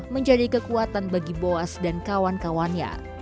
menjadi kekuatan bagi boas dan kawan kawannya